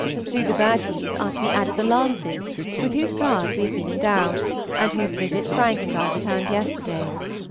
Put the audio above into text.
To the Berties are to be added the Lances, with whose cards we have been endowed, and whose visit Frank and I returned yesterday.